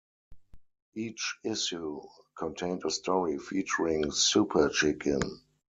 Each issue contained a story featuring Super Chicken.